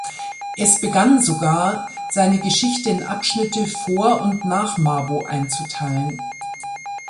Es begann sogar, seine Geschichte in Abschnitte vor und nach Mabo einzuteilen.